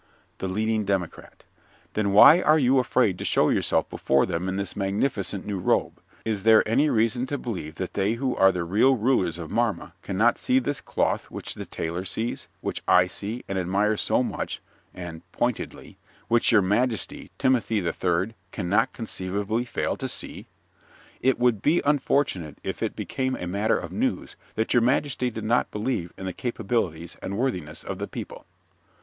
THE LEADING DEMOCRAT Then why are you afraid to show yourself before them in this magnificent new robe? Is there any reason to believe that they who are the real rulers of Marma cannot see this cloth which the Tailor sees, which I see and admire so much and (pointedly) which your majesty, Timothy the Third, cannot conceivably fail to see? It would be unfortunate if it became a matter of news that your majesty did not believe in the capabilities and worthiness of the people.